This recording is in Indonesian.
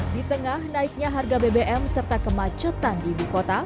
di tengah naiknya harga bbm serta kemacetan di ibu kota